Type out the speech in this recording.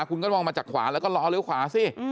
คุณก็มองมาจากขวาแล้วก็รอเลี้ยวขวาสิ